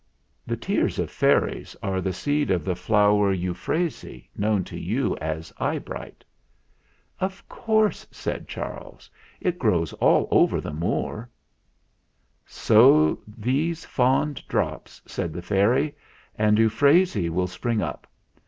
The tears of fairies are the seed of the flower euphrasy known to you as 'eye bright.' " "Of course," said Charles. "It grows all over the Moor." "Sow these fond drops," said the fairy, "and euphrasy will spring up.